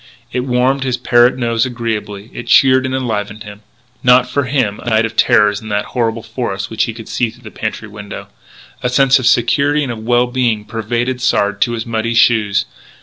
It warmed his parrot nose agreeably; it cheered and enlivened him. Not for him a night of terrors in that horrible forest which he could see through the pantry window. A sense of security and of well being pervaded Sard to his muddy shoes.